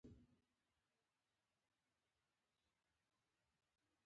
زه هر سهار وختي له خوبه پاڅیږم.